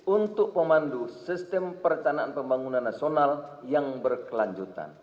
untuk memandu sistem perencanaan pembangunan nasional yang berkelanjutan